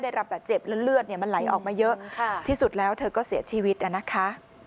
ได้รับบาดเจ็บแล้วเลือดเนี่ยมันไหลออกมาเยอะที่สุดแล้วเธอก็เสียชีวิตนะคะ